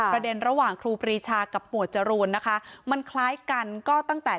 ระหว่างครูปรีชากับหมวดจรูนนะคะมันคล้ายกันก็ตั้งแต่